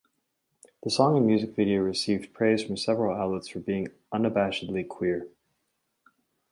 The song and music video received praise from several outlets for being "unabashedly queer".